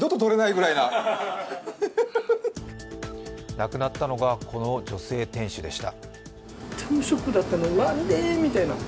亡くなったのがこの女性店主でした。